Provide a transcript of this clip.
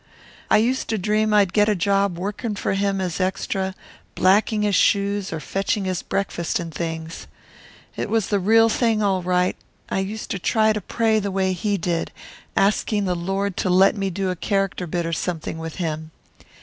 I used to dream I'd get a job workin' for him as extra, blacking his shoes or fetching his breakfast and things. "It was the real thing, all right. I used to try to pray the way he did asking the Lord to let me do a character bit or something with him.